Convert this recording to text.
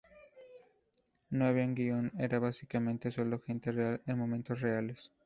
No había guion, era básicamente sólo gente real en momentos reales.